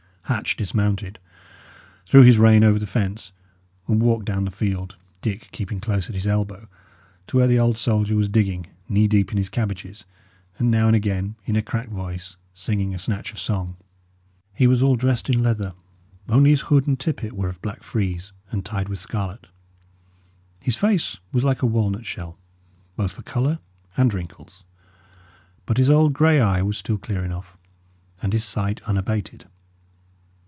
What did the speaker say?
Hatch dismounted, threw his rein over the fence, and walked down the field, Dick keeping close at his elbow, to where the old soldier was digging, knee deep in his cabbages, and now and again, in a cracked voice, singing a snatch of song. He was all dressed in leather, only his hood and tippet were of black frieze, and tied with scarlet; his face was like a walnut shell, both for colour and wrinkles; but his old grey eye was still clear enough, and his sight unabated.